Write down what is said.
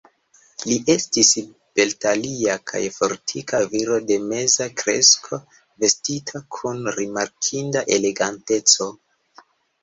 Li estis beltalia kaj fortika viro de meza kresko, vestita kun rimarkinda eleganteco.